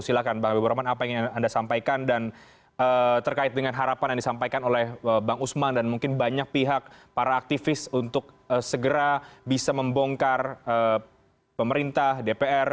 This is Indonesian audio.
silahkan bang habibur rahman apa yang ingin anda sampaikan dan terkait dengan harapan yang disampaikan oleh bang usman dan mungkin banyak pihak para aktivis untuk segera bisa membongkar pemerintah dpr